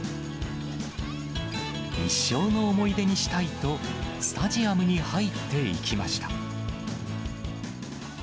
一生の思い出にしたいと、スタジアムに入っていきました。